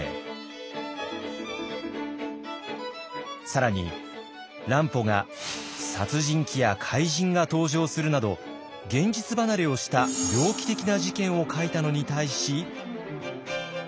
更に乱歩が殺人鬼や怪人が登場するなど現実離れをした猟奇的な事件を書いたのに対し。